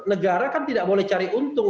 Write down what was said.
negara kan tidak boleh cari untung